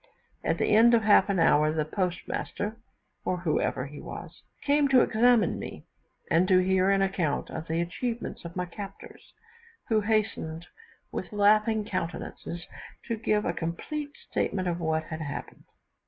At the end of half an hour, the post master, or whoever he was, came to examine me, and to hear an account of the achievements of my captors, who hastened, with laughing countenances, to give a complete statement of what had happened.